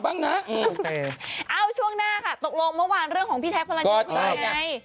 ช่วงหน้าค่ะตกลงเมื่อวานเรื่องของพี่แท็กพลันยู